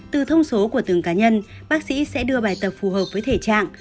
từ thông số của từng cá nhân bác sĩ sẽ đưa bài tập phù hợp với thể trạng